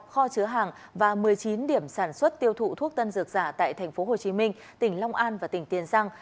kho chứa hàng và một mươi chín điểm sản xuất tiêu thụ thuốc tân dược giả tại tp hcm tỉnh long an và tỉnh tiền giang